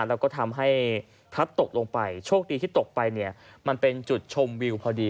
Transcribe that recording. แล้วก็ทำให้พลัดตกลงไปโชคดีที่ตกไปเนี่ยมันเป็นจุดชมวิวพอดี